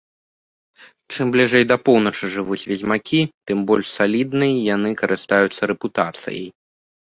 Чым бліжэй да поўначы жывуць ведзьмакі, тым больш саліднай яны карыстаюцца рэпутацыяй.